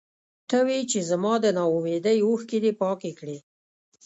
ته وې چې زما د نا اميدۍ اوښکې دې پاکې کړې.